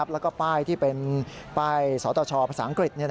แล้วก็ป้ายที่เป็นป้ายสตชภาษาอังกฤษ